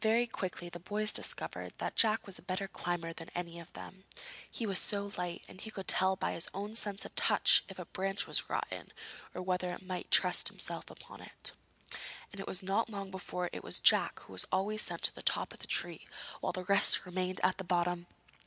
Very quickly the boys discovered that Jack was a better climber than any of them. He was so light, and then he could tell by his sense of touch if a branch was rotten, or whether he might trust himself upon it, and it was not long before it was Jack who was always sent to the top of the tree while the rest remained at the bottom.